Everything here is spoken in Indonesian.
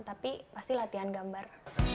tapi pasti latihan gambar